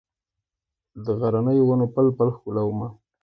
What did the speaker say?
غرنیو ونو پل، پل ښکلومه